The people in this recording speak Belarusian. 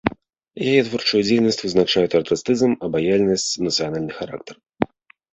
Яе творчую дзейнасць вызначаюць артыстызм, абаяльнасць, нацыянальны характар.